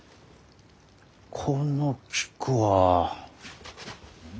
この菊は？